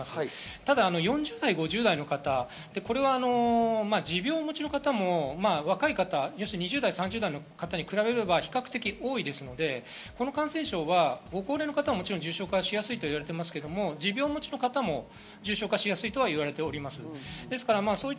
ただ４０代、５０代の方、これは持病をお持ち方も、２０代、３０代の方に比べると比較的多いですのでこの感染症はご高齢の方はもちろん重症化しやすいと言われていますが持病をお持ちの方も重症化しやすいと言われております。